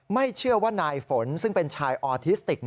ไม่เชื่อว่านายฝนซึ่งเป็นชายออทิสติก